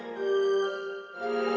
aku sudah selesai